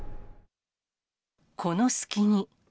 この隙に。